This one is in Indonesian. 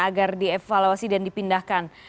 agar dievaluasi dan dipindahkan